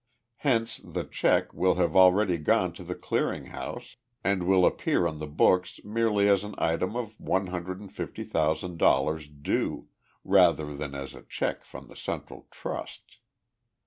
Hence the check will have already gone to the clearing house and will appear on the books merely as an item of one hundred and fifty thousand dollars due, rather than as a check from the Central Trust.